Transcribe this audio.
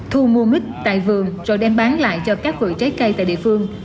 thu mua mít tại vườn rồi đem bán lại cho các vụ trái cây tại địa phương